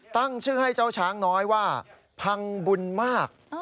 ตั้งชื่อให้เจ้าช้างน้อยว่าพังบุญมาก